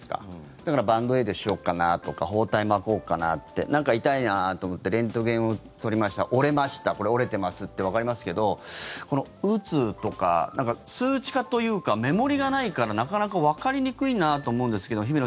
だからバンドエイドしようかなとか包帯巻こうかなってなんか痛いなと思ってレントゲンを撮りました折れました、これ折れてますってわかりますけどうつとかなんか数値化というか目盛りがないからなかなかわかりにくいなと思うんですけど姫野